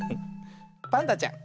パンダちゃん